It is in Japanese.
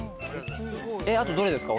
あとどれですか？